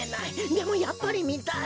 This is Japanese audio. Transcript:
でもやっぱりみたい。